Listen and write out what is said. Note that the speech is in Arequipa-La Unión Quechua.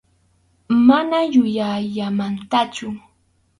Mana yuyayllamantachu.